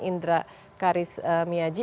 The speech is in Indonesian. indra karis miyaji